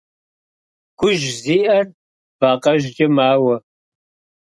Гужь зиӀэр вакъэжькӀэ мауэ.